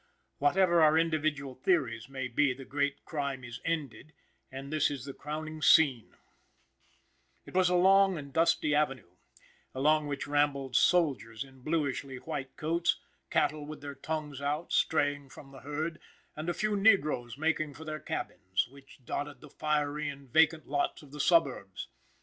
Whatever our individual theories may be, the great crime is ended, and this is the crowning scene: It was a long and dusty avenue, along which rambled soldiers in bluishly white coats, cattle with their tongues out, straying from the herd, and a few negroes making for their cabins, which dotted the fiery and vacant lots of the suburbs.